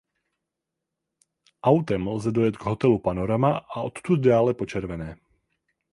Autem lze dojet k hotelu Panorama a odtud dále po červené.